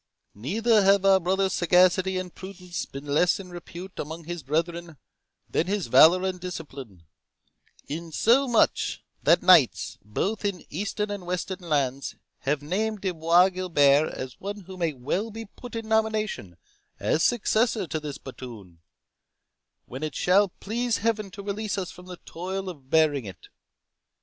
Neither have our brother's sagacity and prudence been less in repute among his brethren than his valour and discipline; in so much, that knights, both in eastern and western lands, have named De Bois Guilbert as one who may well be put in nomination as successor to this batoon, when it shall please Heaven to release us from the toil of bearing it.